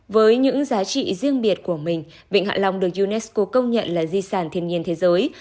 với những giá trị riêng biệt của mình vịnh hạ long được unesco công nhận là di sản thiên nhiên thế giới